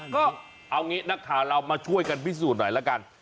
ก็เอางี้นักข่าวเรามาช่วยกันพิสูจน์หน่อยละกัน